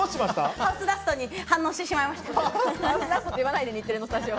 ハウスダストに反応してしまいました。